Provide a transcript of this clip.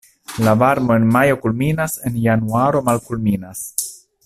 La varmo en majo kulminas, en januaro malkulminas.